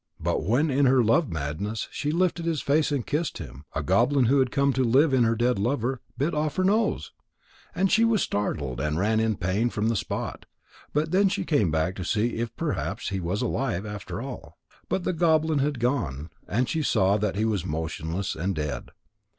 But when in her love madness she lifted his face and kissed him, a goblin who had come to live in her dead lover, bit off her nose. And she was startled and ran in pain from the spot. But then she came back to see if perhaps he was alive after all. But the goblin had gone, and she saw that he was motionless and dead.